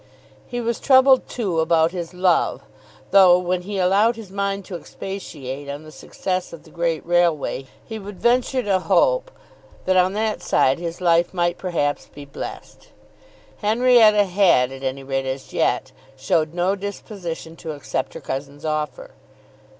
He was troubled too about his love, though when he allowed his mind to expatiate on the success of the great railway he would venture to hope that on that side his life might perhaps be blessed. Henrietta had at any rate as yet showed no disposition to accept her cousin's offer.